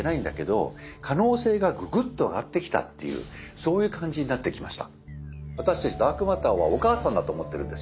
そういう感じになってきました。